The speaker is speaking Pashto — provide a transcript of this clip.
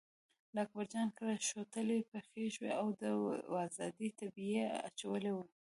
له اکبرجان کره شوتلې پخې شوې او د وازدې تبی یې اچولی و.